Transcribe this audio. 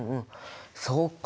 そっか